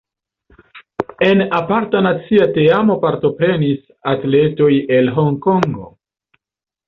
En aparta nacia teamo partoprenis atletoj el Honkongo.